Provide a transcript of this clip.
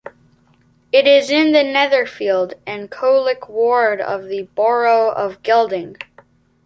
It is in the Netherfield and Colwick ward of the Borough of Gedling.